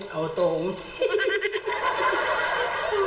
เอาตรงนี้